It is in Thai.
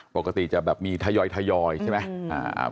ปกติจะแบบมีทยอยใช่ไหม